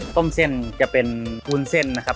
เส้นจะเป็นวุ้นเส้นนะครับ